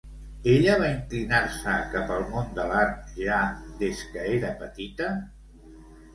Ella va inclinar-se cap al món de l'art ja des que era petita?